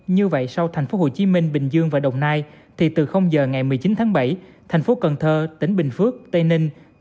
như vậy sau thành phố hồ chí minh bình dương và đồng nai thì từ giờ ngày một mươi chín tháng bảy thành phố cần thơ tỉnh bình phước tây ninh